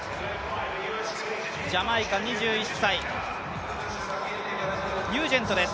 ジャマイカ２１歳、ニュージェントです。